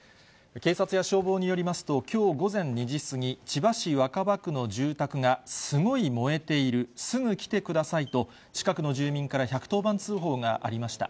警察や消防によりますと、きょう午前２時過ぎ、千葉市若葉区の住宅がすごい燃えている、すぐ来てくださいと、近くの住民から１１０番通報がありました。